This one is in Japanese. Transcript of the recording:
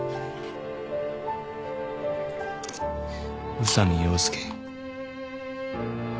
宇佐美洋介。